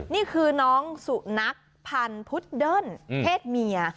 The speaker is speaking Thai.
นี่คือน้องสุนัขพันธุ์พุดเดิ้นเพศเมีย